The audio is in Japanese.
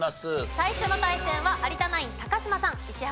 最初の対戦は有田ナイン嶋さん石原